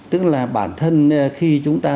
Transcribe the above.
tức là bản thân khi chúng ta